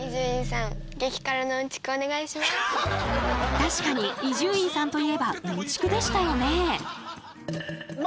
確かに伊集院さんといえばうんちくでしたよね。